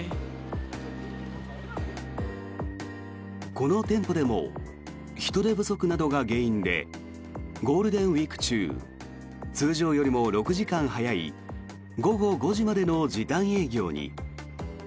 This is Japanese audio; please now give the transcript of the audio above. この店舗でも人手不足などが原因でゴールデンウィーク中通常よりも６時間早い午後５時までの時短営業に。